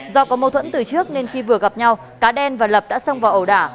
do có mâu thuẫn từ trước nên khi vừa gặp nhau cá đen và lập đã xông vào ẩu đả